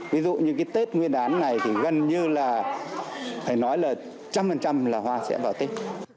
ví dụ như cái tết nguyên đán này thì gần như là phải nói là trăm phần trăm là hoa sẽ vào tết